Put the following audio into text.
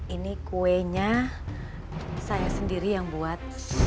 ini kuenya saya sendiri yang buat